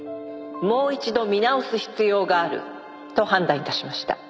「もう一度見直す必要があると判断致しました」